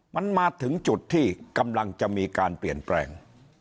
มันมาถึงจุดที่กำลังจะมีการเปลี่ยนแปลง